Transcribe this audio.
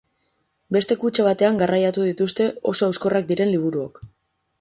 Beste kutxa batean garraiatu dituzte oso hauskorrak diren liburuok.